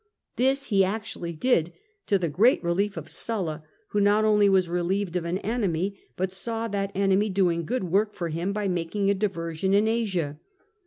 This he actually did, to the great relief of Sulla, who not only was relieved of an enemy, but saw that enemy doing good work for him by making a diversion in Asia.